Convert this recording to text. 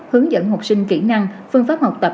hướng dẫn học sinh kỹ năng phương pháp học tập